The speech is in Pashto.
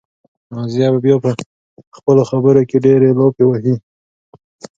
نازیه به بیا په خپلو خبرو کې ډېرې لافې وهي.